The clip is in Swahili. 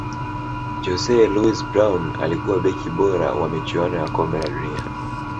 jose luis brown alikuwa beki bora wa michuano ya kombe la dunia